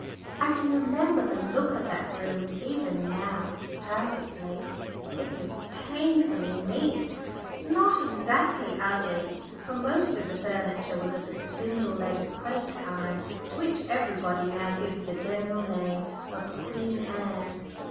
I can remember the look of that room even now, perfectly. It was painfully neat, not exactly ugly, for most of the furniture was of the spindle legged quaint kind, to which everybody now gives the general name of "Queen Anne."